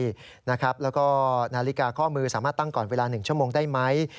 แล้วก็นาฬิกาข้อมือสามารถตั้งก่อนเวลา๑ชั่วโมงได้ไหม